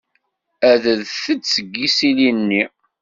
Adret-d seg yisili-nni.